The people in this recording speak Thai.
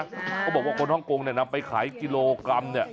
เขาบอกว่าคนฮ่องกงเนี่ยนำไปขายกิโลกรัมเนี่ย